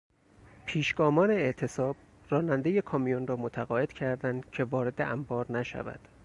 پیشگامان اعتصاب رانندهی کامیون را متقاعد کردند که وارد انبار نشود.